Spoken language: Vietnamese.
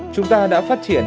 chúng ta đã phát triển